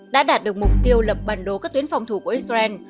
đã đạt được mục tiêu lập bản đồ các tuyến phòng thủ của israel